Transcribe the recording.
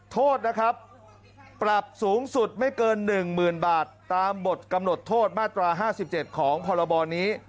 โทษนะครับปรับสูงสุดไม่เกิน๑๐๐๐บาทตามบทกำหนดโทษมาตรา๕๗ของพรบนี้